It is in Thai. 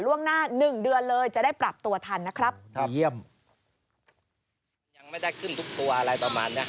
ล่วงหน้า๑เดือนเลยจะได้ปรับตัวทันนะครับ